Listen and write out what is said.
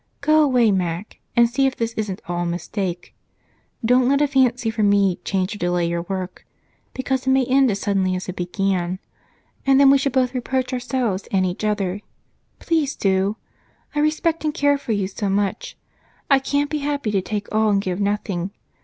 Go away, Mac, and see if this isn't all a mistake. Don't let a fancy for me change or delay your work, because it may end as suddenly as it began, and then we should both reproach ourselves and each other. Please do! I respect and care for you so much, I can't be happy to take all and give nothing.